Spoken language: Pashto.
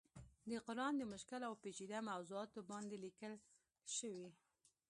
د قرآن د مشکل او پيچيده موضوعاتو باندې ليکلی شوی